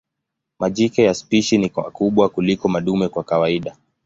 Majike ya spishi ni wakubwa kuliko madume kwa kawaida.